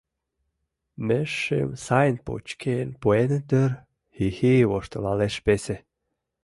Межшым сайын почкен пуэныт дыр, — хи-хи воштылалеш весе.